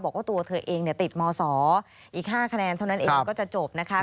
บอกว่าตัวเธอเองติดมศอีก๕คะแนนเท่านั้นเองก็จะจบนะคะ